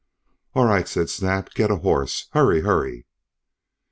"'All right,' said Snap, 'get a horse, hurry hurry!'